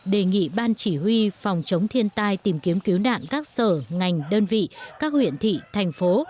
đề nghị ban chỉ huy phòng chống thiên tai tìm kiếm cứu nạn các sở ngành đơn vị các huyện thị thành phố